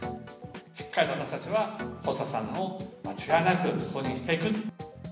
しっかりと私たちは細田さんを間違いなく公認していく。